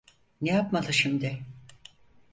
Ne yapmalı şimdi?